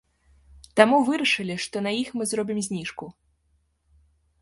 Таму вырашылі, што на іх мы зробім зніжку.